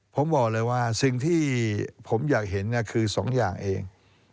ผมบอกเลยว่าสิ่งที่ผมอยากเห็นคือสองอย่างเอง